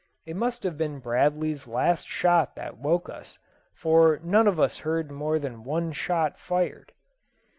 It must have been Bradley's last shot that woke us, for none of us heard more than one shot fired.